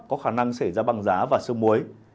có khả năng xảy ra băng giá và sương muối